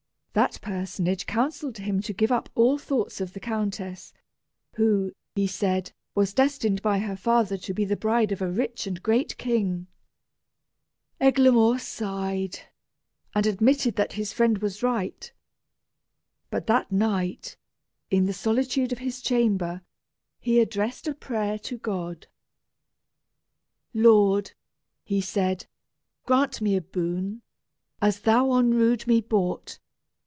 That personage counselled him to give up all thoughts of the countess, who, he said, was destined by her father to be the bride of a rich and great king. Eglamour sighed, and admitted that his friend was right. But that night, in the solitude of his chamber, he addressed a prayer to God: "Lord," he said, "grant me a boon, As thou on rood me bought!